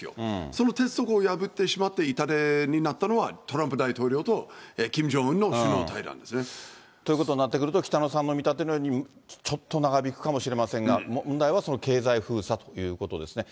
その鉄則を破ってしまって、痛手になったのはトランプ大統領とキム・ジョンウンの首脳会談でということになってくると北野さんの見立てのように、ちょっと長引くかもしれませんが、問題はその経済封鎖ということですね。